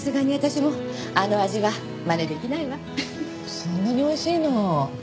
そんなにおいしいの？